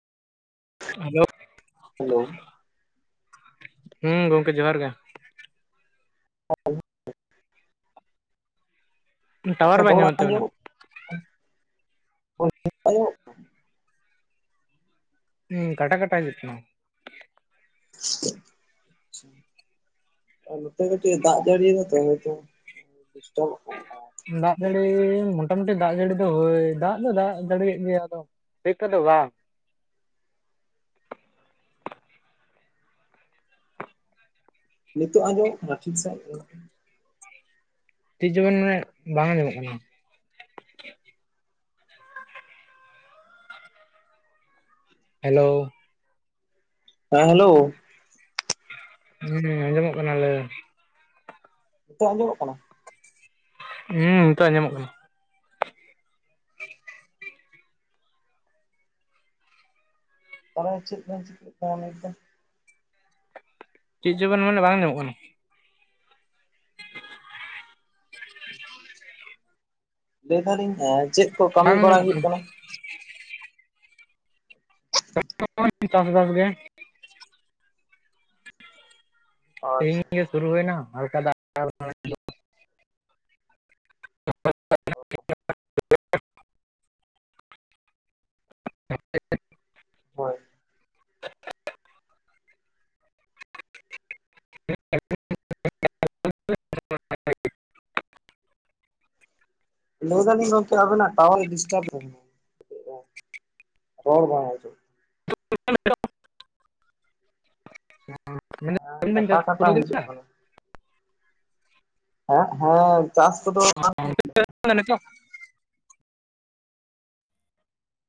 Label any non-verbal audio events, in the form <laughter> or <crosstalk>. Hello hello, ᱦᱮᱸ ᱜᱚᱝᱠᱮ ᱡᱚᱦᱟᱨ ᱜᱮ? <inaudible> ᱴᱟᱣᱟᱨ ᱟᱪᱪᱷᱟ ᱵᱟᱭ ᱨᱚᱲ ᱧᱟᱢᱮᱫ ᱛᱟᱵᱮᱱᱟ ᱟᱸᱡᱚᱢᱚᱜ <inaudible> ᱟᱸᱡᱚᱢᱚᱜ ᱦᱩᱸ ᱠᱟᱴᱟ ᱠᱟᱴᱟ ᱱᱤᱛ ᱱᱚ ᱟᱨ ᱱᱚᱛᱮ ᱪᱮᱜ ᱫᱟᱜᱽ ᱡᱟᱹᱲᱤᱭ ᱫᱟ ᱛᱚ ᱦᱚᱭᱛᱚ ᱰᱤᱥᱴᱟᱵᱚᱜ ᱠᱟᱱᱟ ᱫᱟᱜᱽ ᱡᱟᱹᱲᱤ ᱢᱚᱴᱟᱢᱩᱴᱤ ᱫᱟᱜᱽ ᱡᱟᱹᱲᱤ ᱫᱚ ᱦᱳᱭ ᱫᱟᱜᱽ ᱫᱚ ᱫᱟᱜᱽ ᱡᱟᱹᱲᱤᱭᱮᱜ ᱜᱮᱭᱟ ᱟᱫᱚ, ᱱᱤᱛᱚᱜ ᱫᱚ ᱵᱟᱝ᱾ ᱱᱤᱛᱚᱜ ᱟᱸᱡᱚᱢ ᱠᱟᱱᱟ ᱴᱷᱤᱠ ᱥᱟᱹᱦᱤᱜ ᱨᱮ, ᱪᱮᱛ ᱪᱚ ᱵᱮᱱ ᱢᱮᱱᱮᱜ ᱵᱟᱝ ᱟᱸᱡᱚᱢᱚᱜ ᱠᱟᱱᱟ᱾ ᱦᱮᱞᱳ, ᱦᱮᱸ ᱦᱮᱞᱳ, ᱦᱩᱸ ᱟᱸᱡᱚᱢᱚᱜ ᱠᱟᱱᱟ ᱞᱟᱹᱭ ᱵᱮᱱ? ᱱᱤᱛᱚᱜ ᱟᱸᱡᱚᱢᱚᱜ ᱠᱟᱱᱟ, ᱦᱩᱸ ᱱᱤᱛᱚᱜ ᱟᱸᱡᱚᱢᱚᱜ ᱠᱟᱱᱟ᱾ ᱛᱟᱦᱚᱞᱮ ᱪᱮᱫ ᱵᱮᱱ ᱪᱤᱠᱟᱹ ᱠᱟᱱᱟ ᱞᱟᱹᱭ? ᱪᱮᱜ ᱪᱚᱵᱮᱱ ᱢᱮᱱᱮᱜ ᱵᱟᱝ ᱟᱸᱡᱚᱢᱚᱜ ᱠᱟᱱᱟ ᱞᱟᱹᱭ ᱫᱟᱞᱤᱧ ᱦᱮᱸ ᱪᱮᱜ ᱠᱚ ᱠᱟᱹᱢᱤ ᱵᱟᱝ ᱵᱟᱲᱟ ᱟᱸᱡᱚᱢᱚᱜ ᱦᱩᱭᱩᱜ ᱠᱟᱱᱟ? ᱱᱚᱜᱼᱚᱭ ᱪᱟᱥ ᱵᱟᱥ ᱜᱮ᱾ ᱛᱮᱦᱤᱧ ᱟᱪᱪᱷᱟ ᱜᱮ ᱥᱩᱨᱩ ᱦᱩᱭᱱᱟ ᱦᱟᱞᱠᱟ ᱫᱟᱜᱽ ᱦᱟᱛᱟᱲ <inaudible> <inaudible> ᱦᱳᱭ, <unintelligible> <inaudible> <inaudible> ᱞᱟᱹᱭ ᱫᱟᱞᱤᱧ ᱜᱚᱝᱠᱮ ᱟᱹᱵᱤᱱᱟᱜ ᱴᱟᱣᱟᱨ ᱰᱤᱥᱴᱟᱵ <unintelligible> ᱨᱚᱲ ᱵᱟᱝ ᱟᱸᱡᱚᱢᱚᱜ ᱢᱮᱱᱫᱟᱹᱧ ᱟᱵᱮᱱ ᱟ ᱵᱮᱱ ᱪᱟᱥ ᱠᱟᱴᱟ ᱯᱩᱨᱟᱹᱣ ᱠᱟᱴᱟᱣ ᱦᱤᱡᱩᱜ ᱠᱟᱱᱟ᱾ ᱦᱮᱸ ᱦᱮᱸ ᱪᱟᱥ ᱠᱚᱫᱚ <inaudible> <inaudible> ᱱᱤᱛ ᱦᱚᱸ